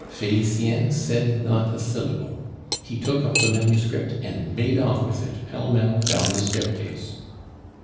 Felicien said not a syllable. He took up the manuscript, and made off with it pell mell down the staircase.